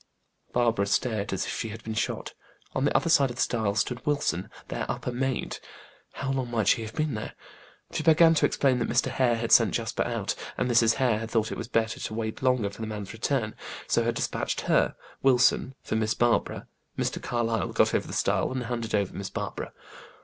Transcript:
Barbara started as if she had been shot. On the other side of the stile stood Wilson, their upper maid. How long might she have been there? She began to explain that Mr. Hare had sent Jasper out, and Mrs. Hare had thought it better to wait no longer for the man's return, so had dispatched her, Wilson, for Miss Barbara. Mr. Carlyle got over the stile, and handed over Miss Barbara.